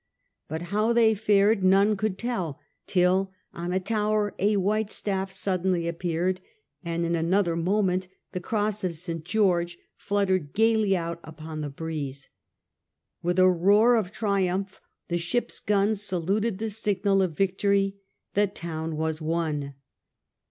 But how they fared none could tell, till on a tower a white staff suddenly appeared, and in another moment the cross of St George fluttered gaily out upon the breeze. With a roar of triumph the ship's guns saluted the signal of victory. The town was won.